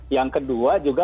yang kedua juga